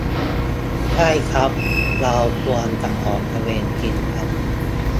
ใช่ครับ เราควรจะออกตระเวนกินครับ